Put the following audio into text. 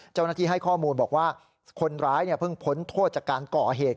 เจ้าหน้าที่ให้ข้อมูลบอกว่าคนร้ายเพิ่งพ้นโทษจากการก่อเหตุ